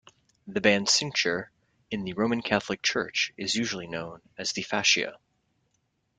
The band cincture in the Roman Catholic Church is usually known as the "fascia".